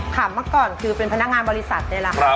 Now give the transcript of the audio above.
ค่ะมากก่อนคือเป็นพนักงานบริษัทเลยนะคะ